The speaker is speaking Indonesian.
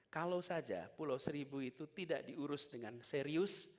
kalau saja pulau seribu itu tidak diurus dengan serius